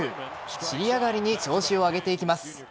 尻上がりに調子を上げていきます。